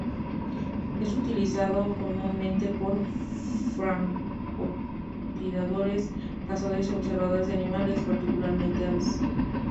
Es utilizado comúnmente por francotiradores, cazadores y observadores de animales, particularmente aves.